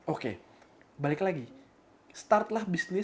oke balik lagi start lah bisnis